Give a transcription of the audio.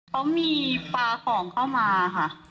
เขามีปลาของเข้ามาค่ะ